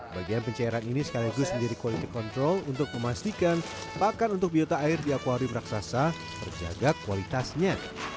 bagian pencairan ini sekaligus menjadi quality control untuk memastikan pakan untuk biota air di akwarium raksasa terjaga kualitasnya